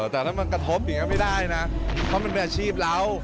แต่ถ้ามันกระทบอย่างนี้ไม่ได้นะเพราะมันเป็นอาชีพเรา